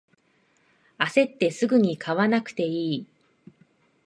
あせってすぐに買わなくていい